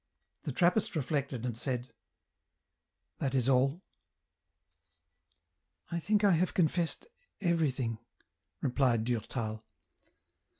The Trappist reflected and said, " That is all ?"" I think I have confessed everything," replied Durtal.